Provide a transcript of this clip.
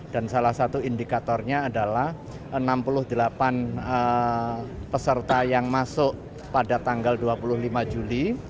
dan salah satu indikatornya adalah enam puluh delapan peserta yang masuk pada tanggal dua puluh lima juli